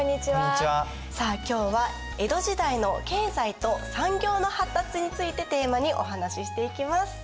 さあ今日は江戸時代の経済と産業の発達についてテーマにお話ししていきます。